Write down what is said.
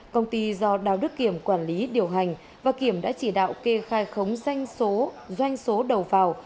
công ty do đào đức kiểm quản lý điều hành và kiểm đã chỉ đạo kê khai khống doanh số đầu vào